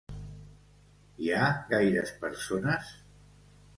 Hi ha gaires persones?